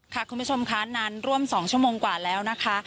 คุณผู้ชมค่ะนานร่วม๒ชั่วโมงกว่าแล้วนะคะ